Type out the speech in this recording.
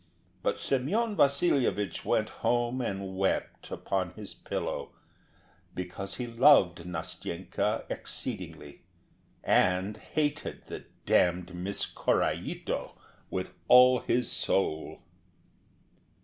But Semyon Vasilyevich went home and wept upon his pillow, because he loved Nastenka exceedingly, and hated the damned Miss Korraito with all his soul.